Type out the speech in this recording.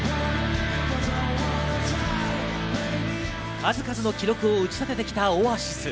数々の記録を打ち立ててきたオアシス。